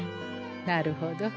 なるほど。